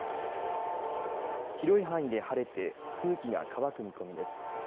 広い範囲で晴れて空気が乾く見込みです。